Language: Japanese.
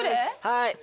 はい。